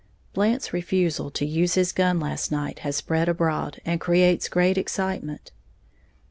Blant's refusal to use his gun last night has spread abroad, and creates great excitement.